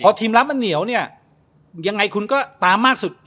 ทีมรับมันเหนียวเนี่ยยังไงคุณก็ตามมากสุด